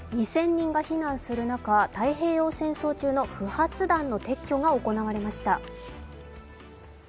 ２０００人が避難する中、太平洋戦争中の不発弾の撤去が行われました。